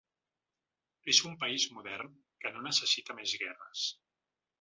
És un país modern que no necessita més guerres.